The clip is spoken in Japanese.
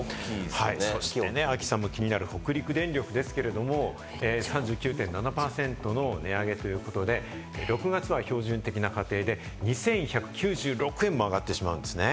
そして亜希さんも気になる北陸電力、３９．７％の値上げということで、６月は標準的な家庭で２１９６円も上がってしまうんですね。